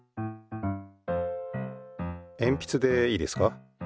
えんぴつでいいですか。